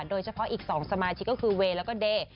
โดยเฉพาะอีก๒สมาชิกก็คือเวย์แล้วก็เดย์